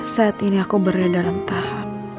saat ini aku berada dalam tahan